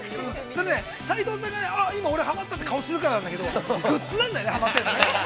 斉藤君は、今、俺ハマったって顔するからなんだけど、グッズなんだよねハマっているの。